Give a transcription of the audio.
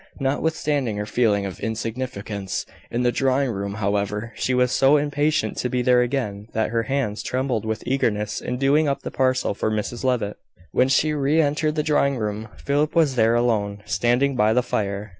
Notwithstanding her feeling of insignificance in the drawing room, however, she was so impatient to be there again that her hands trembled with eagerness in doing up the parcel for Mrs Levitt. When she re entered the drawing room, Philip was there alone standing by the fire.